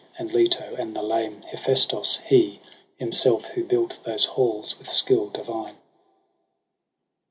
And Leto, and the lame Hephaestos, he Himself who built those halls with sldll divine.